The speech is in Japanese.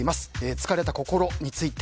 疲れた心について。